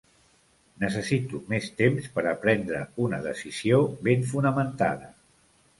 Necessito més temps per a prendre una decisió ben fonamentada.